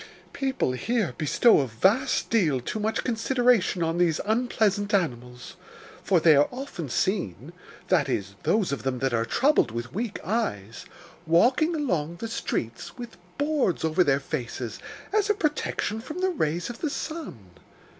People here bestow a vast deal too much consideration on these unpleasant animals, for they are often seen that is, those of them that are troubled with weak eyes walking along the streets with boards over their faces, as a protection from the rays of the sun.